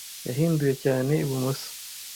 Yahinduye cyane ibumoso.